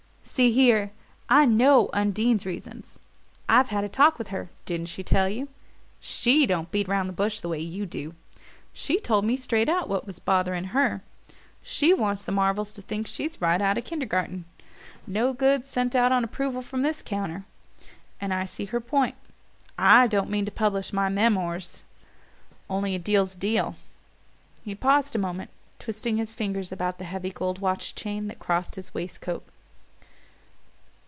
"See here, I know Undine's reasons. I've had a talk with her didn't she tell you? SHE don't beat about the bush the way you do. She told me straight out what was bothering her. She wants the Marvells to think she's right out of Kindergarten. 'No goods sent out on approval from this counter.' And I see her point I don't mean to publish my meemo'rs. Only a deal's a deal." He paused a moment, twisting his fingers about the heavy gold watch chain that crossed his waistcoat.